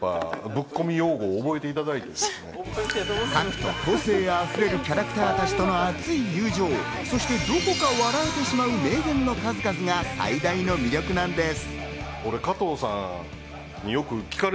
拓と個性溢れるキャラクターたちとの熱い友情、そしてどこか笑えてしまう名言の数々が最大の魅力なのです。